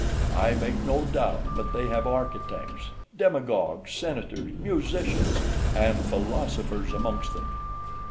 I make no doubt but they have architects, demagogues, senators, musicians, and philosophers amongst them.